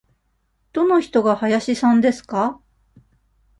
どの人が林さんですか。